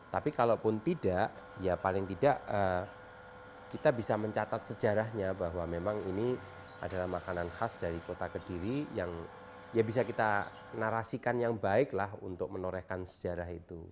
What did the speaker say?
tapi kalau pun tidak ya paling tidak kita bisa mencatat sejarahnya bahwa memang ini adalah makanan khas dari kota kediri yang bisa kita narasikan yang baiklah untuk menorehkan sejarah itu